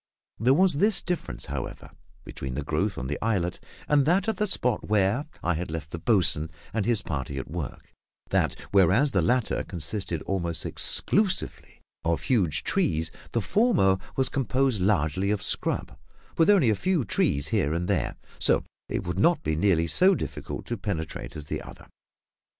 There was this difference, however, between the growth on the islet and that at the spot where I had left the boatswain and his party at work, that whereas the latter consisted almost exclusively of huge trees, the former was composed largely of scrub, with only a few trees here and there, so that it would not be nearly so difficult to penetrate as the other.